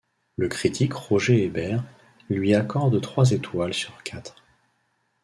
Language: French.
Le critique Roger Ebert lui accorde trois étoiles sur quatre.